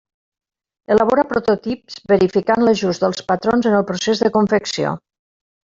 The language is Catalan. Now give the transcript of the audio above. Elabora prototips verificant l'ajust dels patrons en el procés de confecció.